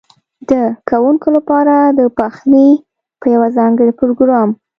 ده کوونکو لپاره د پخلي په یوه ځانګړي پروګرام